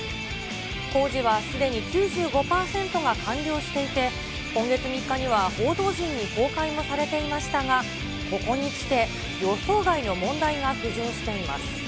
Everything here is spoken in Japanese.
工事はすでに９５％が完了していて、今月３日には、報道陣に公開もされていましたが、ここにきて、予想外の問題が浮上しています。